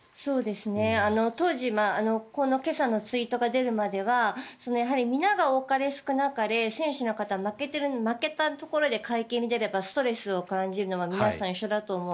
当時この今朝のツイートが出るまでは皆が多かれ少なかれ選手の方は負けたところで会見に出ればストレスを感じるのは皆さん一緒だと思う。